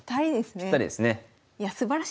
ぴったりですね。